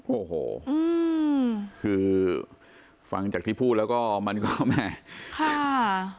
โอ้โหคือฟังจากที่พูดแล้วก็มันก็แม่ค่ะ